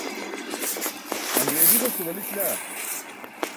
aṅriizi goslo balićila?